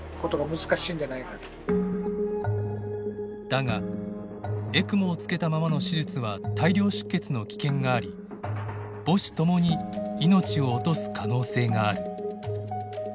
だがＥＣＭＯをつけたままの手術は大量出血の危険があり母子ともに命を落とす可能性がある。